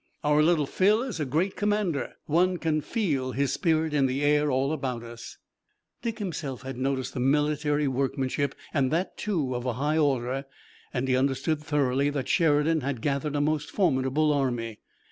Our Little Phil is a great commander. One can feel his spirit in the air all about us." Dick himself had noticed the military workmanship and that, too, of a high order, and he understood thoroughly that Sheridan had gathered a most formidable army.